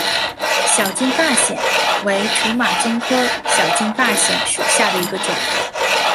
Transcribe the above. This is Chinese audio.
小金发藓为土马鬃科小金发藓属下的一个种。